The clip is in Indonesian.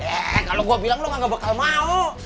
eh kalau gua bilang lu gak bakal mau